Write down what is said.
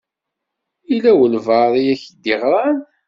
Yella walebɛaḍ i ak-d-iɣṛan?